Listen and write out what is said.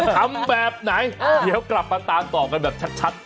ทำแบบไหนเดี๋ยวกลับมาตามต่อกันแบบชัด